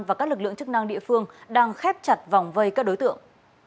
và các lực lượng chức năng địa phương đang khép chặt vòng vây các đối tượng